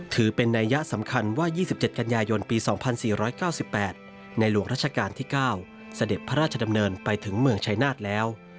ถือเป็นนัยยะสำคัญว่า๒๗กันยายนปี๒๔๙๘ในหลวงราชการที่๙เสด็จพระราชดำเนินไปถึงเมืองชายนาฏแล้ว